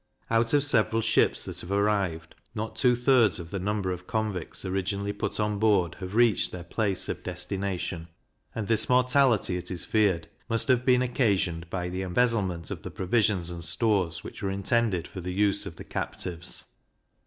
Out of several ships that have arrived, not two thirds of the number of convicts originally put on board have reached their place of destination; and this mortality, it is feared, must have been occasioned by the embezzlement of the provisions and stores which were intended for the use of the captives.